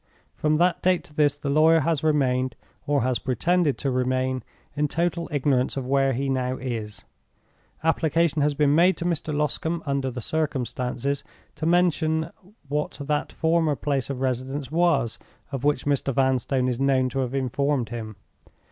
From that date to this the lawyer has remained (or has pretended to remain) in total ignorance of where he now is. Application has been made to Mr. Loscombe, under the circumstances, to mention what that former place of residence was, of which Mr. Vanstone is known to have informed him.